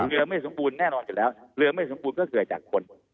เรือไม่สมบูรณ์แน่นอนจริงแล้วเพราะเกิดจากคน